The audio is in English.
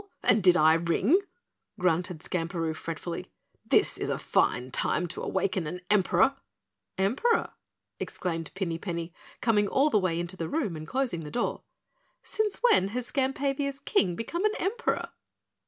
And did I ring?" grunted Skamperoo fretfully. "This is a fine time to awaken an Emperor." "Emperor?" exclaimed Pinny Penny, coming all the way into the room and closing the door. "Since when has Skampavia's King become an Emperor?"